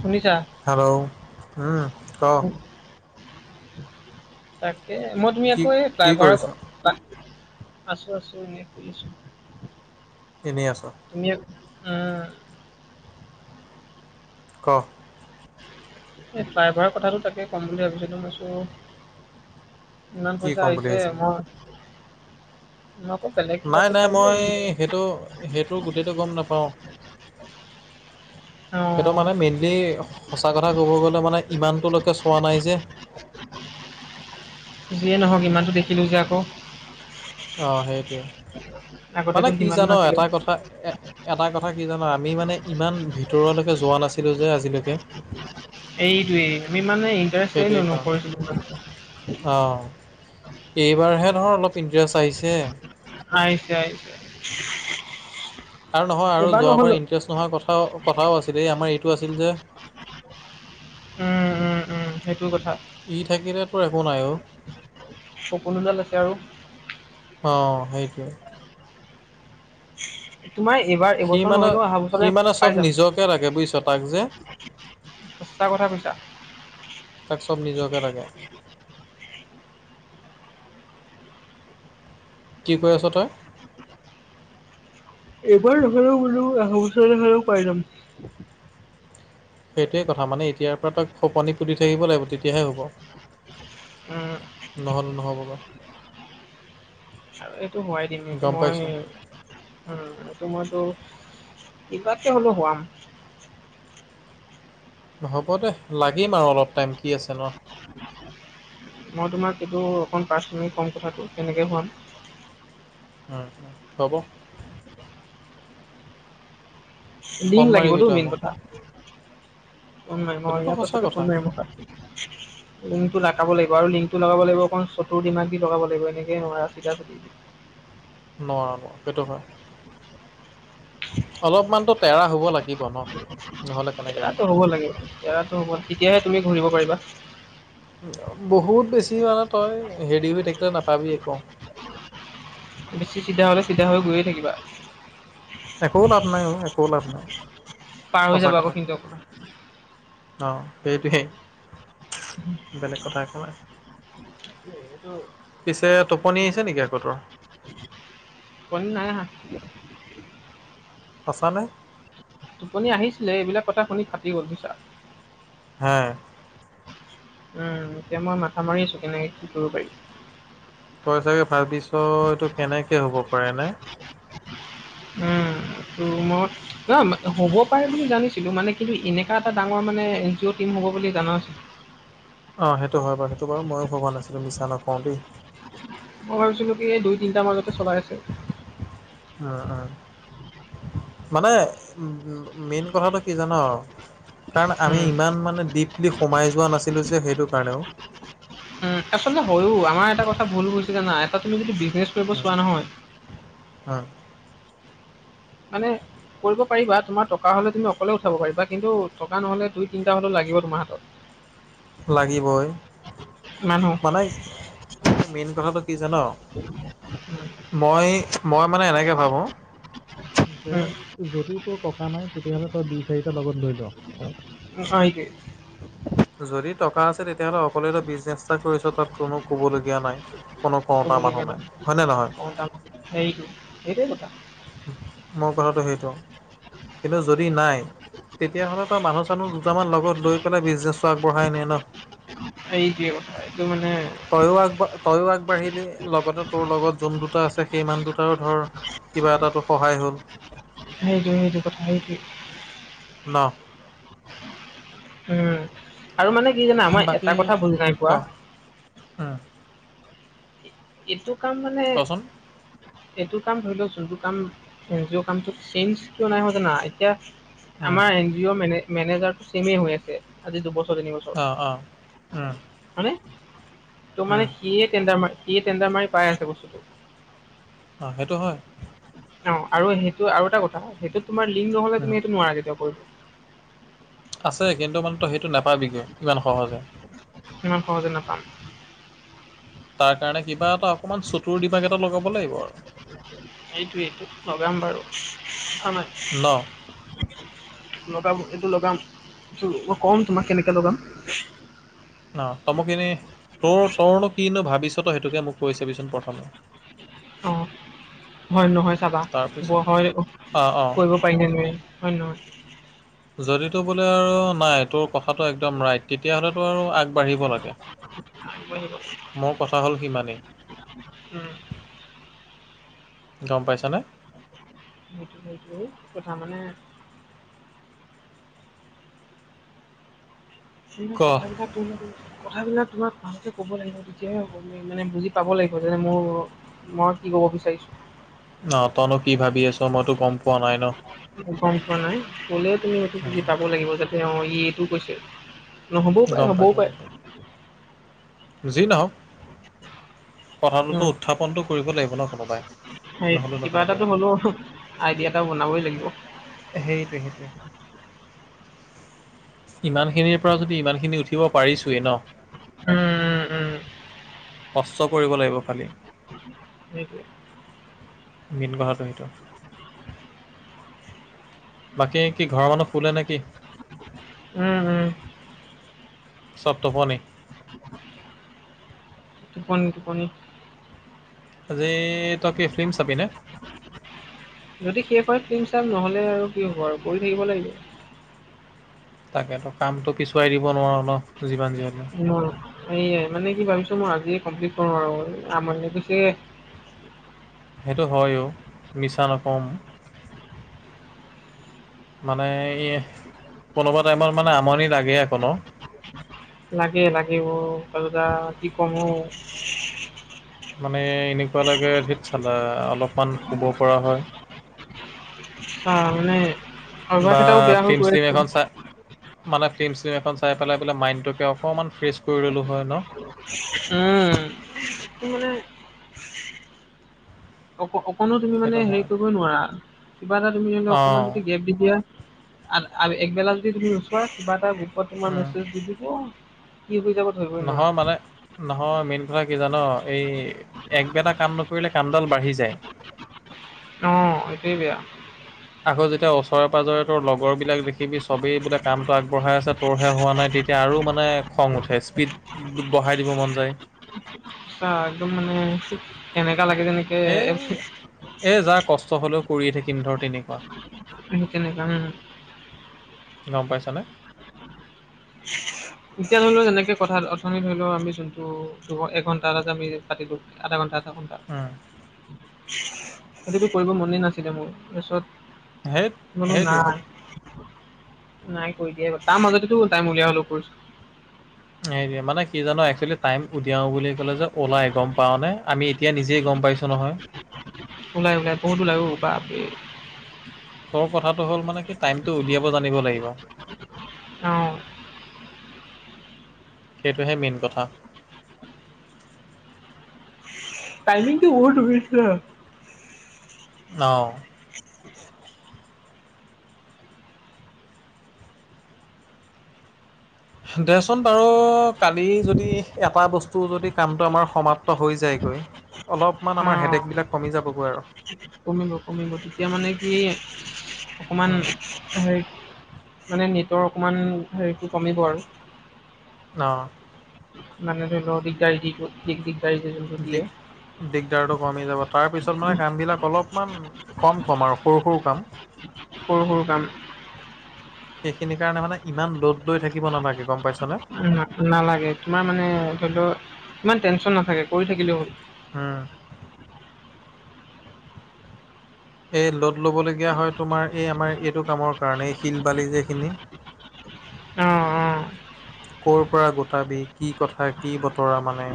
শুনিছা? হেল্ল' উম ক' তাকে মই তুমি কি আকৌ এই কি ফ্লাইঅভাৰত। কৰিছ আছো আছো এনেই শুই আছোঁ। এনেই আছ' তুমি এক অ ' ক' এই ড্ৰাইভাৰ কথাটো তাকে ক'ম বুলি ভাবিছিলোঁ মই ভাবিছোঁ। ইমান কি পইচা ক'ম বুলি আহিছে ভাবিছিলি মই মই আকৌ বেলেগ কিবা নাই কৈছা নাই বুলি মই ভাবিছিলো। সেইটো সেইটো গোটেইটো গম নাপাওঁ অ সেইটো মানে। বা মেইনলি সঁচা কথা ক'ব গ'লে মানে ইমানটোলৈকে চোৱা নাই যে। যিয়ে নহওক ইমানটো দেখিলোঁ যে আকৌ। অ' সেইটোৱে, মানে আগতেতো কি সিমানো জান নাছিলে। এটা কথা এ এটা কথা কি জান আমি মানে ইমান ভিতৰলৈকে যোৱা নাছিলোঁ যে আজিলৈকে। এইটোয়েই আমি মানে। ইণ্টাৰেষ্টে সেইটোৱেই নকৰিছিলো ইমান। কাৰণ। অ' এইবাৰহে ধৰ অলপ ইণ্টাৰেষ্ট আহিছে। [unintelligible] আৰু নহয় আৰু এইবাৰ যোৱাৰ পৰা নহ'লো ইণ্টাৰেষ্ট নোহোৱা কথা কথাও আছিল এই আমাৰ এইটো আছিল যে। উম উম উম সেইটো কথা। ই থাকিলে তোৰ একো নাই ও। সপোনতে দেখে আৰু। অ, সেইটোৱে। তোমাৰ এইবাৰ, সি এইবছৰ মানে নহলেও অহা সি বছৰলে মানে পাই চব যাম। নিজকে লাগে বুজিছ তাক যে, সঁচা কথা কৈছা? তাক চব নিজকে লাগে। কি কৈ আছ তই? এবাৰ নহলে বোলো অহা বছৰে হলেও পাই যাম। সেইটোৱে কথা, মানে এতিয়াৰ পৰা তাক খপনি পুতি থাকিব লাগিব তেতিয়াহে হ'ব। উম, নহ'লে নহ'বগৈ। আৰু এইটো সোৱাই দিম এইটো গম মই পাইছোঁ, উম, এইটো মইতো কিবাকে হ'লে হোৱাম। হ'ব দে, লাগিম আৰু অলপ টাইম কি আছে ন? মই তোমাক এইটো অকণ পাৰ্চনেলি ক'ম কথাটো কেনেকে সুৱাম। উম, হব। ফোন লিংক মাৰিবি লাগিবতো তই মেইন মোক কথা, ফোন মাৰিম অহ, সেইটোতো ইয়াৰ সঁচা পাছতে ফোন কথা মাৰিম ৰখা। [unintelligible] লিংকটো লগাব লাগিব, আৰু লিংকটো লগাব লাগিব অকণ চতুৰ দিমাক দি লগাব লাগিব এনেকে নোৱাৰ চিধা চিডি। নোৱাৰ ন, সেইটো হয়। অলপমানতো তেৰা হব লাগিব ন। নহ'লে কেনেকৈ তেৰা টো হ'ব লাগিব, তেৰাতো হ'ব তেতিয়াহে তুমি কৰিব পাৰিবা। বহুত বেছি মানে তই হেৰি হৈ থাকিলে নাপাবি একো। বেছি চিধা হ'লে চিধা হৈ গৈয়ে থাকিবা। একো লাভ নাই অ, একো লাভ নাই পাৰ হৈ সঁচা যাবা আকৌ কথা ক'ব সিহঁতক। গলে। অ, সেইটোৱেই বেলেগ কথা একো নাই। পিছে সেতু টোপনি আহিছে নেকি আকৌ তোৰ [unintelligible] টোপনি নাই আহা। সঁচা নে? টোপনি আহিছিলে এইবিলাক কথা শুনি ফাটি গ'ল বুইছা। হয়। উম, এতিয়া মই মাথা মাৰি আছো কেনেকে কি কৰিব পাৰি। তই চাগে ভাবিছ এইটো কেনেকে হব পাৰে নে? উম, সেইটো মুদ নহয় হ'ব পাৰে বুলি জানিছিলো, মানে কিন্তু এনেককা এটা ডাঙৰ মানে এন জি অ' টিম হ'ব বুলি জনা নাছিলোঁ। অ, সেইটো হয় বাৰু সেইটো বাৰু ময়ো কব লৈছিলোঁ মিছা নকওঁ দেই। মই ভাবিছিলো কি এই দুই তিনটা মাজতে চলাই আছে। উম, উম, মানে উ মেইন কথাটো কি জান? কাৰণ আমি উম, ইমান মানে ডিপলি সোমাই যোৱা নাছিলোঁ যে সেইটো কাৰণেও। উম, আচলতে হয় আমাৰ এটা কথা ভুল বুজি জানা এটা তুমি যদি বিজনেছ কৰিব চোৱা নহয়। অ', মানে? কৰিব পাৰিবা তোমাৰ টকা হ'লে তুমি অকলে উঠাব পাৰিবা কিন্তু টকা নহলে দুই তিনিটা হ'লেও লাগিব তোমাৰ হাতত। লাগিবই। মানুহ। মানে মেইন কথাটো কি জান। উম, মই, মই মানে এনেকে ভাবোঁ? পিছে উম, যদি তোৰ টকা নাই তেতিয়াাহলে তই দুই চাৰিটা লগত লৈ ল। হয়ক [unintelligible] যদি টকা আ' তেতিয়'হলে অকলোৱ এটা বিজনেছ এটা কৰিছ তাত কোনো ক'বলগীয়া নাই, কোনো কওঁত মানুহ নাই হয়নে নহয়। সেইটো, এইটেই কথা। মোৰ কথাটো সেইটো কিন্তু যদি নাই তেতিয়াহ'লেটো মানুহ চানুহ দুটামান লগত লৈ পেলাই বিজনেছটো আগবঢ়াই নে ন। এইটোৱে কথা এইটো মানে তইও আগ -আগবাঢ়িলি লগতে তোৰ লগত যোন দুটা আছে সেইমান দুটাও ধৰ কিবা এটাতো সহায় হ'ল। সেইটো -সেইটো কথা সেইটোৱে। ন'? উম, আৰু মানে কি জানা মই এটা কথা বুজি নাই পোৱা অ', এইটো কাম মানে কচোন এইটো কাম ধৰি লও যোনটো কাম যিয় কামটো চেইঞ্জটো কিয় নাই হোৱা জানা এতিয়া উম আমাৰ এন জি অ মেনে- মেনেজাৰটো হৈ আছে। আজি দুবছৰ, তিনি বছৰ অ অ উম হয়নে? ত' উম মানে সিয়ে টেণ্ডাৰ মাৰি-সিয়ে টণ্ডাৰ মাৰি পাই আছে বস্তুটো। অ, সেইটো হয়। অ, আৰু সেইটো আৰু এটা কথা সেইটো তোমাৰ লিংক নহলে উম তুমি সেইটো নোৱাৰা কেতিয়াও কৰিব। আছে কিন্তু মানে ত' সেইটো নাপাই বিগ ইমান সহজে। ইমান সহজে নাপাম। তাৰ কাৰণে কিবা এটা অকমান চতুৰ ডিমাগ এটা লগাব লাগিব আৰু। এইটোয়েটো লগাম বাৰু [unintelligible] ন? লগাম এইটো লগাম টো মই কম তোমাক কেনেকে লগাম। অ, তমোক এনেই তোৰ তোৰনো কিনো ভাবিছ তই সেইটোকে মোক কৈ চাবিচোন প্ৰথমে। অ, হয় নে নহয় চাবা ব তাৰপিছত হয় অহ, অঁ অঁ কৰিব পাই নে নোৱাই হয় নে নহয়? যদি তো বোলে আৰু নাই তোৰ কথাটো একদম ৰাইট তেতিয়াহ'লেতো আৰু আগবাঢ়িব লাগে। মোৰ কথা হ'ল সিমানেই [unintelligible] উম। গম পাইছানে? সেইটো- সেইটো এইটোকথা মানে ক [unintelligible] কথাবিলাক [unintelligible] কথাবিলাক তোমাক ভালকে ক'ব লাগিব তেতিয়াহে হব মে -মানে বুজি পাব লাগিব যেনে মোৰ মই কি কব বিচাৰিছোঁ অ, তইনো কি ভাবি আছ মইতো গম পোৱা নাই ন? গম পোৱা নাই ক'লেও তুমি এইটো বুজি উম পাব লাগিব যাতে অ, ই এইটো কৈছে। নহ'বও পাৰে গম হ'বও পাইছোঁ- পাৰে গম পাইছোঁ যি নহওক [unintelligible] উম কথাটোতো উত্থাপনটো কৰিব লাগিব ন' কোনোবাই? সেই নহ'লেনো কিবা কেনেকৈ এটাটো হ'ব হ'লও আইডিয়া এটা বনাবই লাগিব। সেইটোৱে -সেইটোৱে ইমানখিনিৰ পৰা য যি ইমান খিনি উঠিব পাৰিছোৱে ন? হম, উম, কষ্ট কৰিব লাগিব খালী। সেইটোৱে। মেইন কথাটো সেইটো। বাকি কি ঘৰৰ মানুহ শুলে নেকি? উম -উম চব টোপনি? টোপনি- টোপনি। আজি তই কি ফিল্ম চাবিনে? যদি শেষ হয় ফিল্ম চাম নহ'লে আৰু কি হ'ব আৰু কৰি থাকিব লাগিব। তাকেতো, কামটো পিছুৱাই দিব নোৱাৰোঁ ন' যিমান যি হলেও। উম, এইয়াই মানে কি ভাবিছো মই আজিয়ে কমপ্লিট কৰো আৰু আমনি লাগি গৈছে। সেইটো হয়ও, মিছা নকওঁ ম মানে এইয়ে, কোনোবা টাইমত মানে আমনি লাগে আকৌ ন? লাগে লাগে অ, [unintelligible] কি ক'ম অ, মানে এনেকুৱা লাগে, ধেৎ চালা অলপমান শুব পৰা হয়। অ', মানে অভ্যাস বা এটাও বেয়া হৈ ফিল্ম গৈ শ্লিম আছে এখন উম চা মানে ফিল্ম শ্লিম এখন চাই পেলাই মানে মাইণ্ডটোকে অকণমান ফ্ৰেছ কৰি ল'লোঁ হয় ন? উম, মোৰ মানে অক-অকণো তুমি মানে সেইটো হেৰি হয় কৰিবই নোৱাৰা, কিবা এটা তুমি ধৰি লোৱা অঁ অকণমানকে গেপ দি দিয়া [unintelligible] একবেলা যদি তুমি নোচোৱা কিবা এটা গ্ৰুপত তোমাৰ উম। মেছেজ দি দিব। [unintelligible] নহয় মানে নহয় মেইন কথা কি জানোঁ এই, একবেলা কাম নকৰিলে কামডাল বাঢ়ি যায়। অ', সেইটোৱেই বেয়া। আকৌ যেতিয়া ওচৰে পাঁজৰে তোৰ লগৰবিলাক দেখিবি চবেই বোলে কামটো আগবঢ়াই আছে তোৰহে হোৱা নাই তেতিয়া আৰু মানে খং উঠে স্পীড, বঢ়াই দিব মন যায়। সঁচা একদম মানে, এনেকা লাগে যেনে সে, এ যা কষ্ট হ'লেও কৰিয়ে থাকিম ধৰ তেনেকুৱা। [unintelligible] গম পাইছানে? এতিয়া ধৰি লও যেনেকে কথা অথনি ধৰি লও আমি যোনটো, দু এঘন্টা এ আমি পাতিলোঁ। আধা ঘণ্টা আধা ঘণ্টা। অ', আজিতো কৰিব মনে নাছিলে মোৰ, সেইট তাৰছত বোলো না। সেইটোৱে নাই কৰি দিয়ে, তাৰ মাজতেতো টাইম উলিয়া হলেও কৰিছ এ মানে কি জানো একচুৱেলি টাইম উতিয়াও বুলি ক'লে যে ওলাই গম পাও নে, আমি এতিয়া নিজেই গম পাইছোঁ নহয়। ওলাই ওলাই বহুত ওলাই অ, বাপৰে। ত' কথাটো হ'ল মানে কি টাইমটো উলিয়াব জানিব লাগিব। অ সেইটোহে মেইন কথা। টাইমিংটো [unintelligible] অ', দেচোন বাৰু, কালি যদি এটা বস্তু যদি কামটো আমাৰ সমাপ্ত হৈ যাইগৈ। অলপমান অ আমাৰ হেডয়েকবিলাক কমি যাবগৈ আৰু। কমিব কমিব তেতিয়া মানে কি, অকমান, হেৰি মানে নেটৰ অকমান, হেৰিটো কমিব আৰু। অ', মানে ধৰি লওঁ দিগদাৰী দি গ'ল দিগ-দিগদাৰী দি যোনটো দিয়ে। দিগ দিগদাৰটো কমি যাব, তাৰপিছত মানে কাম বিলাক অলপমান কম-কম আৰু সৰু-সৰু কাম। সৰু-সৰু কাম। সেইখিনি কাৰণে মানে ইমান লড লৈ থাকিব নালাগে গম পাইছ নে? নালাগে তোমাৰ মানে ধৰিলোঁ, ইমান টেনচন নাথাকে কৰি থাকিলে হ'ল। হা, এই লদ ল'বলগীয়া হয় তোমাৰ এই আমাৰ এইটো কামৰ কাৰণে এই শিল বালি যে এইখিনি। [unintelligible] ক'ৰ পৰা গোটাবি, কি কথা, কি বতৰা মানে।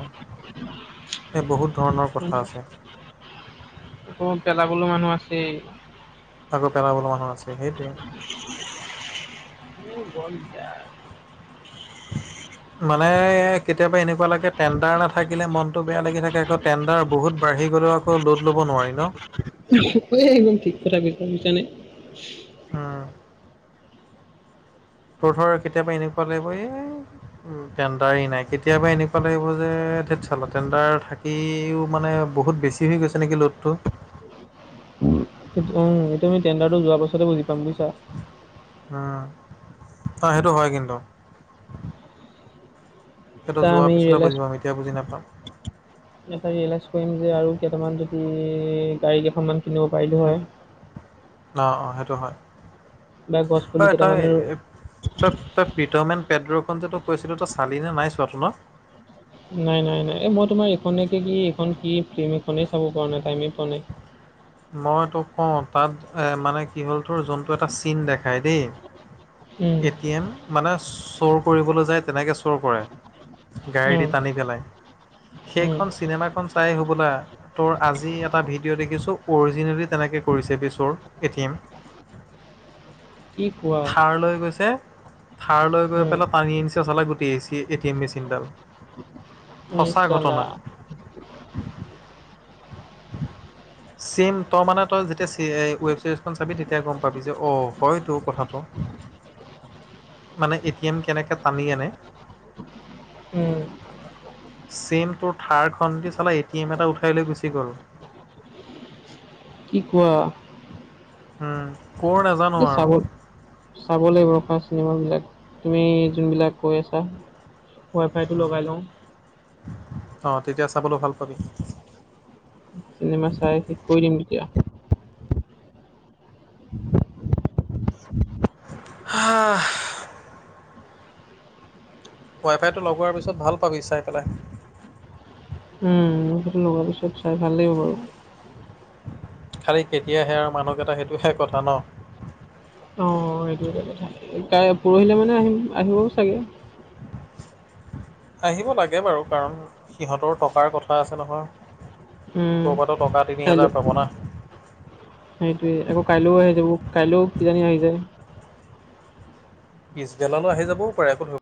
এ বহুত ধৰণৰ কথা আছে। উম, পেলাবলো মানুহ আছেই। আকৌ পেলাবলৈ মানুহ আছে, সেইটোৱে। বল দিয়া [inaudible] মানে কেতিয়াবা এনেকুৱা লাগে টেণ্ডাৰ নাথাকিলে মনটো বেয়া লাগি থাকে আকৌ টেণ্ডাৰ বহুত বাঢ়ি গলেওঁ আ আকৌ ল'ড ল'ব নোৱাৰি ন'। [unintelligible] একদম ঠিক কথা কৈছা বুইছা নে। উম তোৰ ধৰ কেতিয়াবা এনেকুৱা লাগিব এ উম, টেণ্ডাৰ নাই, কেতিয়াবা এনেকুৱা লাগিব যে ধেত চাল্লা টেণ্ডাৰ থাক ইও মানে বহুত বেছি হৈ গৈছে নেকি ল'ডটো। উম, এইটো আমি টেণ্ডাৰটো যোৱাৰ পাছতে বুজি পাম বুইছা। [unintelligible] অ, সেইটো হয় কিন্তু। সেইটো এটা যোৱাৰ আমি পিছতে বুজি পাম, এতিয়া বুজি নাপাম। তেতিয়া ৰিয়েলাইজ কৰিম যে আৰু কেইটামান যদি গাড়ী কেইখনমান কিনিব পাৰিলোঁ হয়। অ', অ', সেইটো হয় অ, বা গছ পুলি তই তই কেইটামানো -তই পিটমেন পেদ্ৰ খনযে তোক কৈছিলো, তই চালি নে নাই চোৱাতো ন? নাই -নাই -নাই, এই মই তোমাৰ এইখনেকে কি এইখন কি ফিল্ম এইখনেই চাব পৰা নাই, টাইমেই পোৱা নাই। মই তোক কওঁ, তাত এ মানে কি হ'ল তোৰ যোনটো এটা চিন দেখাই দেই উম এটি-এম, মানে চুৰ কৰিবলৈ যায় তেনেকে চুৰ কৰে উম, গাড়ীদি টানি পেলাই। উম, সেইখন চিনেমাখন চাই হবলা, তোৰ আজি এটা ভিডিঅ' দেখিছো অৰিজিনেলি তেনেকৈ কৰিছে, বেছৰ এ-টি-এম। কি কোৱা? থাৰ লৈ গৈছে থাৰ লৈ গৈ উম, পেলাই টানি আনিছে চালা, গোটেই এ চি এ-টি-এম মেচিনডাল। ইচ সঁচা চালা, ঘটনা। [inaudible] চিম, তই মানে, তই যেতিয়া ৱেব চিৰিজখন চাবি তেতিয়া গম পাবি যে অ, হয়তো কথা [unintelligible] মানে এটি এম কেনেকে টানি আনে। উম। ছেম তোৰ থাৰ খন দি চালা এটি-এম এটা উঠাই লৈ গুচি গ'ল। কি কোৱা? উম। এ [unintelligible] চাব লাগিব ৰখা চিনেমাবিলাক, তুমি যোনবিলাক কৈ আছা। ৱাইফাইটো লগাই লওঁ। অ' তেতিয়া চাবলো ভাল পাবি। চিনেমা চাই ঠিক কৰি দিম তেতিয়া। [unintelligible] হাহ ৱাইফাইটো লগোৱাৰ পিছত ভাল পাবি চাই পেলাই। উম সেইটো লগোৱাৰ পিছত চাই ভালেই বাৰু। খালি কেতিয়াহে আৰু মানুহকেইটাক সেইটোহে কথা ন। অ সেইটো এটা কথা, কাই পোৰহিলে মানে আহিম আহিব চাগে। আহিব লাগে বাৰু কাৰণ, সিহঁতৰ টকাৰ কথা আছে নহয়। উম, তোৰ পাটো টকা তিনি কাইলৈ। হাজাৰ পাব না। সেইটোৱে, আকৌ কাইলৈও আহি যাব, কাইলৈও কিজানি আহি যায়। পিছবেলালো আহি যাবও পাৰে [inaudible]